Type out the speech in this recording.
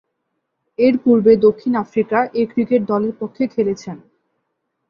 এর পূর্বে দক্ষিণ আফ্রিকা এ ক্রিকেট দলের পক্ষে খেলেছেন।